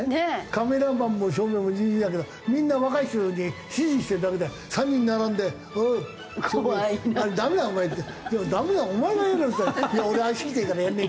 カメラマンも照明もジジイだけどみんな若い衆に指示してるだけで３人並んで「おい！ダメだお前」って。「ダメだお前がやれよ」っつったら「俺足痛えからやんねえ」